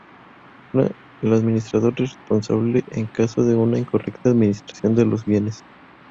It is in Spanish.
El administrador es responsable en caso de una incorrecta administración de los bienes.